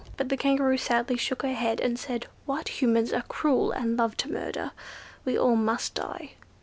But the Kangaroo sadly shook her head, and said, "White Humans are cruel, and love to murder. We must all die.